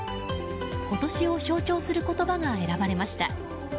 今年を象徴する言葉が選ばれました。